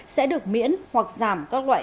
sẽ được miễn hoặc giảm các loại